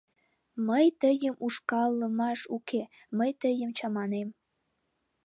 Мый тыйым ушкалымаш уке, мый тыйым чаманем.